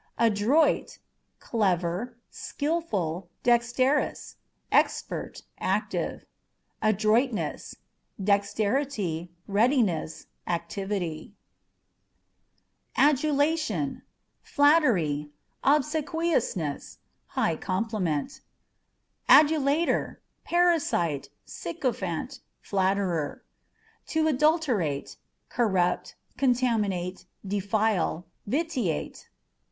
Adroit â€" clever, skilful, dexterous, expert, active. Adroitness â€" dexterity, readiness, activity. ADUâ€" AFfc. 7 Adulationâ€" flattery, obsequiousness, high compliment. Adulator â€" parasite, sycophant, flatterer. 2b Adulterateâ€" corrupt, contaminate, defile, vitiate.